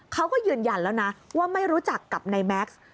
เขาก็ยืนยันแล้วนะว่าไม่รู้จักกับนายแม็กซ์